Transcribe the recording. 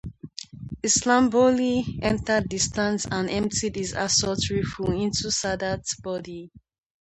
Islambouli entered the stands and emptied his assault rifle into Sadat's body.